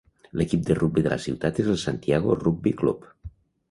L'equip de rugbi de la ciutat és el Santiago Rugby Club.